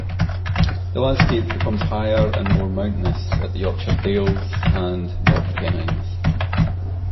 The landscape becomes higher and more mountainous at the Yorkshire Dales and North Pennines.